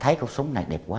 thấy cuộc sống này đẹp quá